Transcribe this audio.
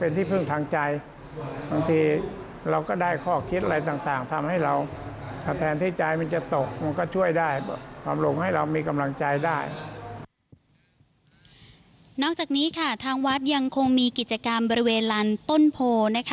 นอกจากนี้ค่ะทางวัดยังคงมีกิจกรรมบริเวณลานต้นโพนะคะ